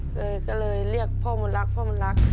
เคยก็เลยเรียกพ่อมนต์รัก